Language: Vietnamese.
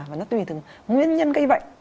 và nó tùy từng nguyên nhân gây vậy